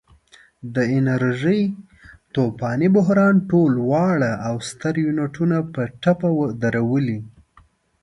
د انرژۍ طوفاني بحران ټول واړه او ستر یونټونه په ټپه درولي.